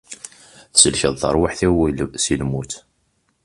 Tsellkeḍ-d tarwiḥt-iw si lmut.